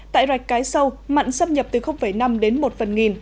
tại rạch cái sâu mặn xâm nhập từ năm đến một phần nghìn